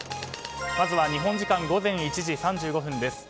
まずは日本時間午前１時３５分です。